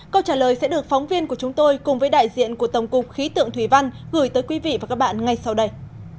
câu trả lời sẽ được phóng viên của chúng tôi cùng với đại diện của tổng cục khí tượng thủy văn gửi tới quý vị và các bạn ngay sau đây